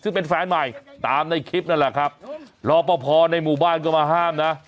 ซึ่งเป็นแฟนใหม่ตามในคลิปนั่นแหละครับรอปภในหมู่บ้านก็มาห้ามนะ